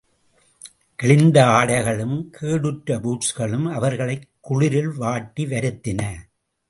கிழிந்த ஆடைகளும், கேடுற்ற பூட்ஸ்களும், அவர்களைக் குளிரில் வாட்டி வருத்தின.